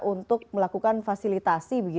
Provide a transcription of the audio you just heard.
untuk melakukan fasilitasi